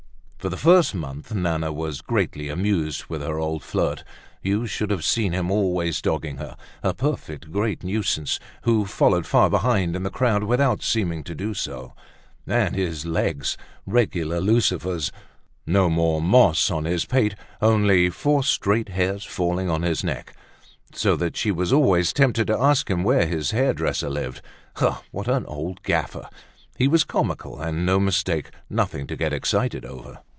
For the first month Nana was greatly amused with her old flirt. You should have seen him always dogging her—a perfect great nuisance, who followed far behind, in the crowd, without seeming to do so. And his legs! Regular lucifers. No more moss on his pate, only four straight hairs falling on his neck, so that she was always tempted to ask him where his hairdresser lived. Ah! what an old gaffer, he was comical and no mistake, nothing to get excited over.